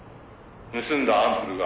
「“盗んだアンプルが”」